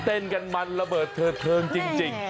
เต้นกันมันระเบิดเธอเทิงจริง